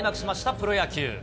プロ野球。